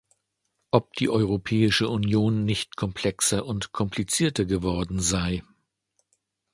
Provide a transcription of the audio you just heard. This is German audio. Ob die Europäische Union nicht komplexer und komplizierter geworden sei.